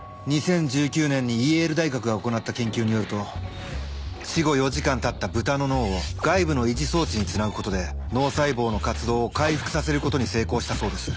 ２０１９年にイェール大学が行った研究によると死後４時間たった豚の脳を外部の維持装置につなぐことで脳細胞の活動を回復させることに成功したそうです。